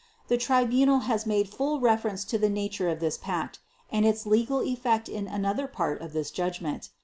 The Tribunal has made full reference to the nature of this Pact and its legal effect in another part of this judgment.